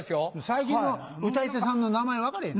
最近の歌い手さんの名前分かれへん。